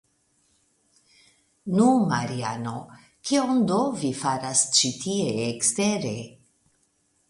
Nu, Mariano, kion do vi faras ĉi tie ekstere?